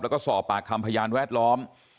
แล้วก็สอบปากคำพยานแวดล้อม